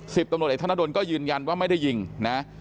ตำรวจเอกธนดลก็ยืนยันว่าไม่ได้ยิงนะ